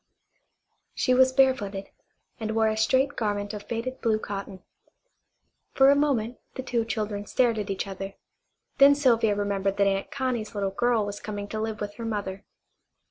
She was barefooted, and wore a straight garment of faded blue cotton. For a moment the two children stared at each other. Then Sylvia remembered that Aunt Connie's little girl was coming to live with her mother.